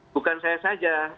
bukan saya saja